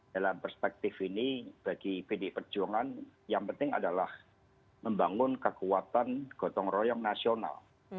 dalam perspektif ini bagi pdi perjuangan yang penting adalah membangun kekuatan gotong royong nasional